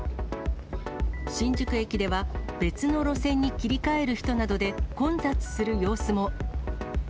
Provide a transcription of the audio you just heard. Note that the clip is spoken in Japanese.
新宿駅では、別の路線に切り替える人などで、混雑する様子も。